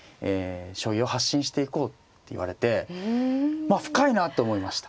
将棋を発信していこうって言われて深いなと思いました。